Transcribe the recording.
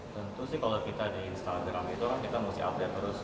tentu sih kalau kita di instagram itu kan kita mesti update terus